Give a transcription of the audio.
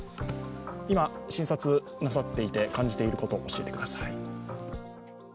今、診察なさっていて感じていること、教えてください。